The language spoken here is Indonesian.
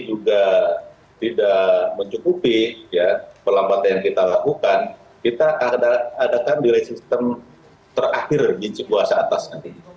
juga tidak mencukupi pelambatan yang kita lakukan kita akan adakan delaying sistem terakhir di cipuasa atas nanti